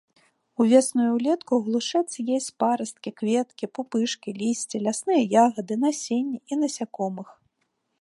Увесну і ўлетку глушэц есць парасткі, кветкі, пупышкі, лісце, лясныя ягады, насенне і насякомых.